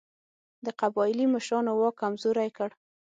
د قبایلي مشرانو واک کمزوری کړ.